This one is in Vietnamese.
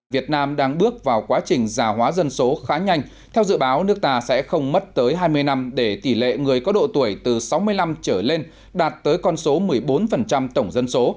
việt nam đang bước vào quá trình già hóa dân số khá nhanh theo dự báo nước ta sẽ không mất tới hai mươi năm để tỷ lệ người có độ tuổi từ sáu mươi năm trở lên đạt tới con số một mươi bốn tổng dân số